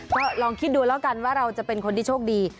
ก็ลองคิดดูแล้วกันว่าเราจะเป็นคนที่โชคดี